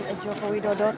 terus ini pak